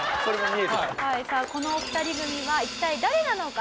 さあこのお二人組は一体誰なのか？